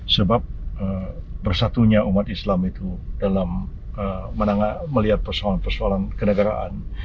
sebab bersatunya umat islam itu dalam melihat persoalan persoalan kenegaraan